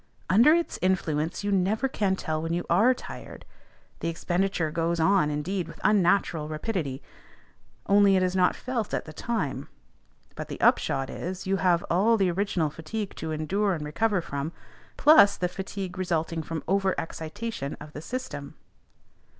Under its influence you never can tell when you are tired; the expenditure goes on, indeed, with unnatural rapidity, only it is not felt at the time; but the upshot is, you have all the original fatigue to endure and to recover from, plus the fatigue resulting from over excitation of the system.